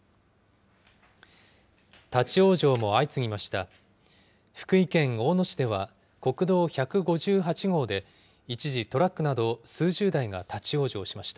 立往生も相次ぎました。